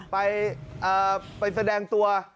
ไปแสดงตัว